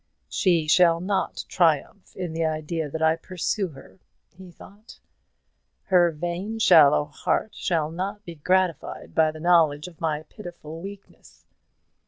"She shall not triumph in the idea that I pursue her," he thought; "her vain shallow heart shall not be gratified by the knowledge of my pitiful weakness.